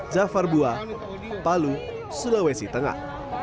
jafar bua palu sulawesi tengah